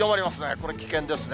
これ危険ですね。